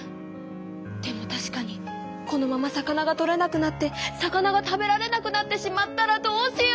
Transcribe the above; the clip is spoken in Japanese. でもたしかにこのまま魚がとれなくなって魚が食べられなくなってしまったらどうしよう。